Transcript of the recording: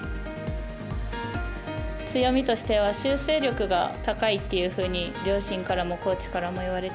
強みとしては修正力が高いというふうに両親からもコーチからも言われて。